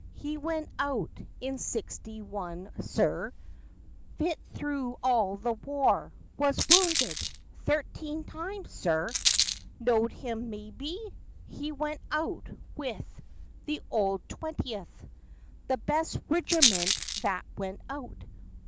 He went out in sixty one, sir; Fit through all the war; was wounded Thirteen times, sir! Knowed him, mebbe? He went out with the old twentieth, The best rigerment that went out!